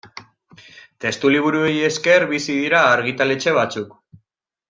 Testuliburuei esker bizi dira argitaletxe batzuk.